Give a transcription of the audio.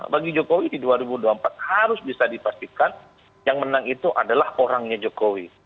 bagi jokowi di dua ribu dua puluh empat harus bisa dipastikan yang menang itu adalah orangnya jokowi